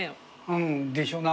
うんでしょうな。